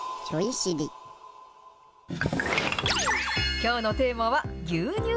きょうのテーマは牛乳。